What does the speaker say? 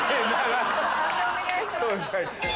判定お願いします。